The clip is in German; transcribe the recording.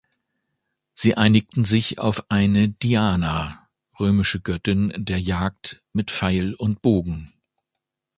Sie einigten sich auf eine „Diana“, römische Göttin der Jagd, mit Pfeil und Bogen.